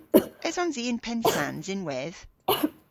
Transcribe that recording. Esons i yn Pennsans ynwedh?